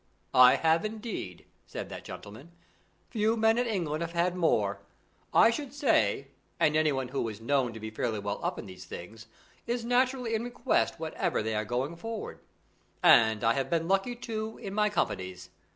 "I have, indeed," said that gentlemen. "Few men in England have had more, I should say, and anyone who is known to be fairly well up in these things, is naturally in request whenever they are going forward. And I have been lucky, too, in my companies.